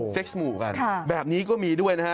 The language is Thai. เซ็กส์หมู่กันแบบนี้ก็มีด้วยนะฮะ